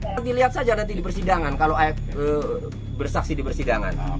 nanti lihat saja nanti di persidangan kalau bersaksi di persidangan